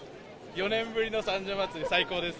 ４年ぶりの三社祭、最高です。